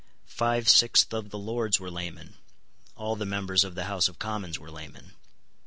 Five sixths of the Lords were laymen. All the members of the House of Commons were laymen.